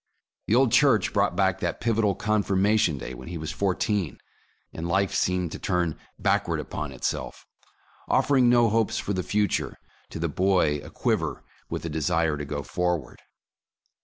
The old church brought back that pivotal Confirmation Day, when he was fourteen, and life seemed to turn backward upon itself, offering no hopes for the future to the boy aquiver with the de sire to go forward.